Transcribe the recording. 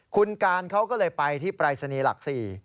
คุณการเขาก็เลยไปที่ปรายศนีย์หลัก๔